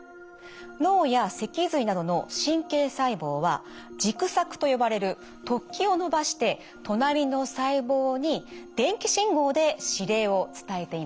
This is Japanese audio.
脳や脊髄などの神経細胞は軸索と呼ばれる突起を伸ばして隣の細胞に電気信号で指令を伝えています。